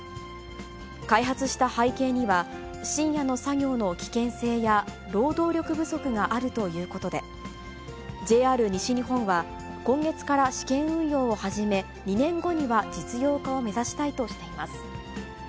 開発した背景には、深夜の作業の危険性や、労働力不足があるということで、ＪＲ西日本は、今月から試験運用を始め、２年後には実用化を目指したいとしています。